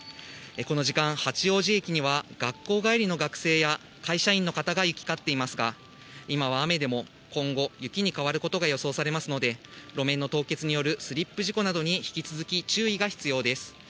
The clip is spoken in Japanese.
この時間、八王子駅には学校帰りの学生や会社員の方が行き交っていますが、今は雨でも、今後、雪に変わることが予想されますので、路面の凍結によるスリップ事故などに、引き続き注意が必要です。